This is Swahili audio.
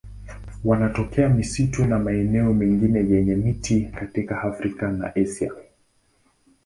Wanatokea misitu na maeneo mengine yenye miti katika Afrika na Asia.